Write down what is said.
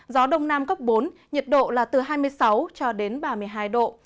gió đông nam cấp bốn nhiệt độ là từ hai mươi sáu cho đến ba mươi hai độ